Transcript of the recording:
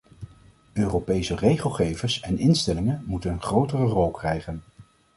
Europese regelgevers en instellingen moeten een grotere rol krijgen.